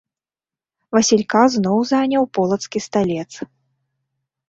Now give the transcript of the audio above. Васілька зноў заняў полацкі сталец.